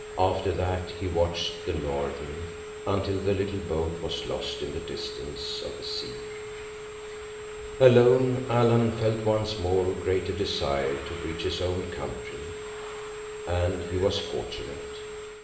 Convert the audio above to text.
After that, he watched the Norden until the little boat was lost in the distance of the sea. Alone, Alan felt once more a greater desire to reach his own country. And he was fortunate.